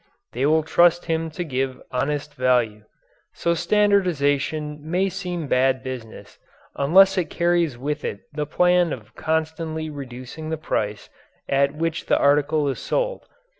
They will trust him to give honest value. So standardization may seem bad business unless it carries with it the plan of constantly reducing the price at which the article is sold.